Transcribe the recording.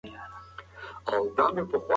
انسولین د ګلوکوز جذبولو لپاره مهم دی.